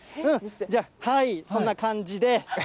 じゃあ、そんな感じで。